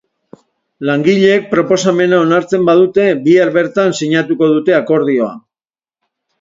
Langileek proposamena onartzen badute, bihar bertan sinatuko dute akordioa.